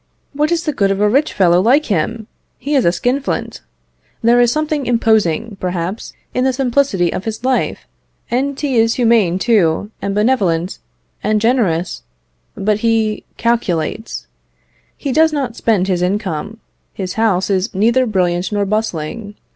"What is the good of a rich fellow like him? He is a skinflint. There is something imposing, perhaps, in the simplicity of his life; and he is humane, too, and benevolent, and generous, but he calculates. He does not spend his income; his house is neither brilliant nor bustling.